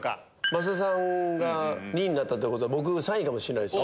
増田さん２位になったってことは僕３位かもしれないです。